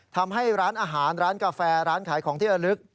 ทำให้ร้านอาหารร้านกาแฟร้านขายของที่ระลึก